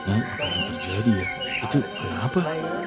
apa yang terjadi ya itu kenapa